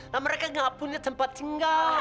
dan mereka gak punya tempat tinggal